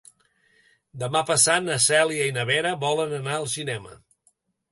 Demà passat na Cèlia i na Vera volen anar al cinema.